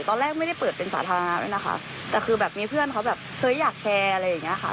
ตอนแรกไม่ได้เปิดเป็นสาธารณะด้วยนะคะแต่คือแบบมีเพื่อนเขาแบบเฮ้ยอยากแชร์อะไรอย่างเงี้ยค่ะ